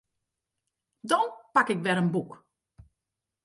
Dan pak ik wer in boek.